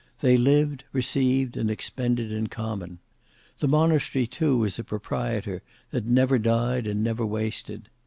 They lived, received, and expended in common. The monastery too was a proprietor that never died and never wasted.